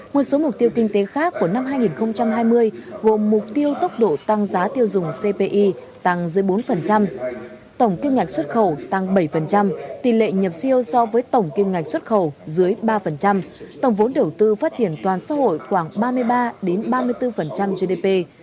một số mục tiêu kinh tế khác của năm hai nghìn hai mươi gồm mục tiêu tốc độ tăng giá tiêu dùng cpi tăng dưới bốn tổng kim ngạch xuất khẩu tăng bảy tỷ lệ nhập siêu so với tổng kim ngạch xuất khẩu dưới ba tổng vốn đầu tư phát triển toàn xã hội khoảng ba mươi ba ba mươi bốn gdp